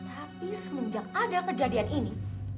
tapi semenjak ada kejadian ini